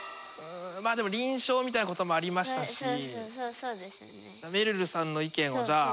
まあでも輪唱みたいなこともありましたしめるるさんの意見をじゃあ。